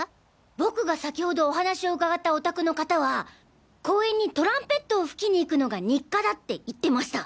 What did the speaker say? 僕が先ほどお話を伺ったお宅の方は公園にトランペットを吹きに行くのが日課だって言ってました。